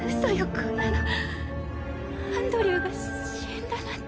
こんなのアンドリューが死んだなんて。